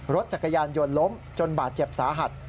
รถจักรยานยนต์ล้มจนบาดเจ็บสาหัส